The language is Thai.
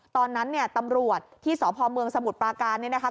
ตอนนั้นเนี่ยตำรวจที่สพเมืองสมุทรปราการเนี่ยนะคะ